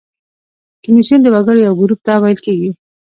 کمیسیون د وګړو یو ګروپ ته ویل کیږي.